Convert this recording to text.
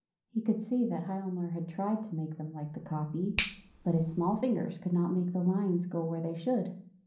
He could see that Hialmar had tried to make them like the copy, but his small fingers could not make the lines go where they should.